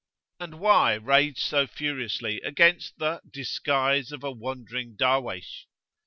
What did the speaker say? And why rage so furiously against the "disguise of a wandering Darwaysh?"